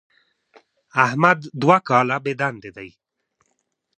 احمد دوه کاله بېدندې دی.